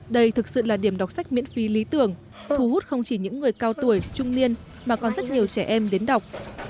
đây thực sự là điểm đọc sách miễn phí lý tưởng thu hút không chỉ những người cao tuổi trung niên mà còn rất nhiều trẻ em đến đọc